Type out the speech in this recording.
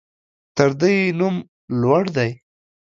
تر ده يې نوم لوړ دى.